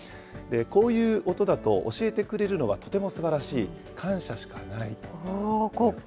こういう音だと教えてくれるのはとても素晴らしい、感謝しかないと。